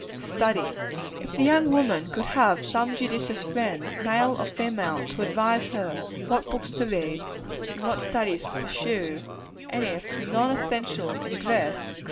Studies. If the young woman could have some judicious friend, male or female, to advise her what books to read, and what studies to pursue and if the non essentials in dress, &c.